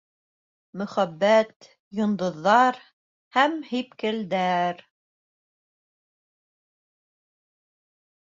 Мөхәббәт, йондоҙҙар һәм... һипкелдәр!